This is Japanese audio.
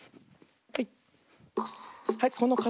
はい。